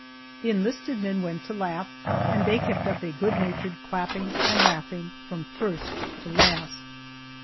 The enlisted men went to laugh, and they kept up a good natured clapping and laughing from first to last.